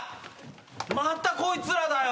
またこいつらだよ。